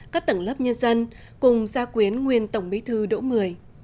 các tầng lớp nhân dân cùng gia quyến nguyên tổng bí thư đỗ mười